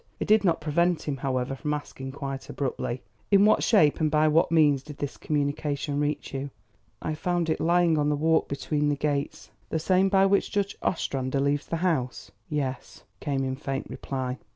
It did not prevent him, however, from asking quite abruptly: "In what shape and by what means did this communication reach you?" "I found it lying on the walk between the gates." "The same by which Judge Ostrander leaves the house?" "Yes," came in faint reply.